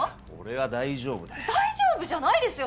大丈夫じゃないですよ！